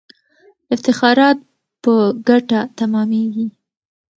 افتخارات په ګټه تمامیږي.